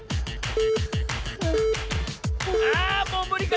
あもうむりか？